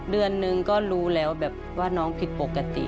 เดือนนึงก็รู้แล้วแบบว่าน้องผิดปกติ